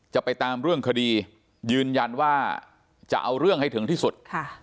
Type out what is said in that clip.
จะไปตามเรื่องคดียืนยันว่าจะเอาเรื่องให้ถึงที่สุด